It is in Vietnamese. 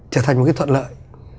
trở thành một cái thuận lợi